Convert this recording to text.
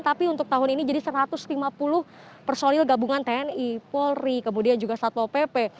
tapi untuk tahun ini jadi satu ratus lima puluh personil gabungan tni polri kemudian juga satpol pp